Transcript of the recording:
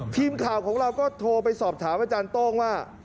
ทีมข่าวของเราก็โทรไปสอบถามอาจารย์โต้งว่า